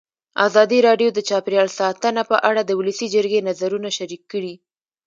ازادي راډیو د چاپیریال ساتنه په اړه د ولسي جرګې نظرونه شریک کړي.